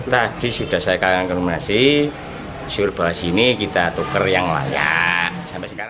tadi sudah saya karenakan komunasi suruh beras ini kita tukar yang layak